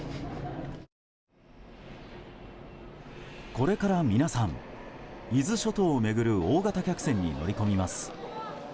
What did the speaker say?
これから皆さん伊豆諸島を巡る大型客船に乗り込みます。